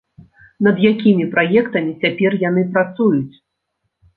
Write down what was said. Над якімі праектамі цяпер яны працуюць?